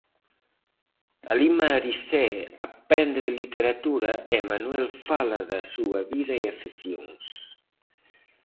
Alí Marisé aprende de literatura e Manuel fala da súa vida e afeccións.